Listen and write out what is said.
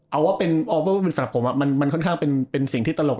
เอาว่าเป็นออเบอร์สำหรับผมมันค่อนข้างเป็นสิ่งที่ตลก